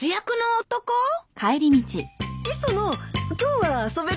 磯野今日は遊べるだろ？